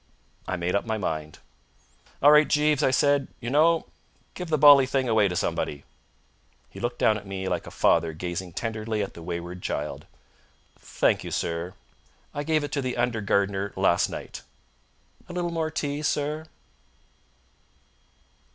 I made up my mind. "All right, Jeeves," I said. "You know! Give the bally thing away to somebody!" He looked down at me like a father gazing tenderly at the wayward child. "Thank you, sir. I gave it to the under gardener last night. A little more tea, sir?"